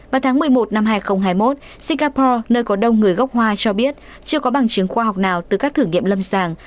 vào tháng một mươi một năm hai nghìn hai mươi một singapore nơi có đông người gốc hoa cho biết chưa có bằng chứng khoa học nào từ các thử nghiệm lâm sàng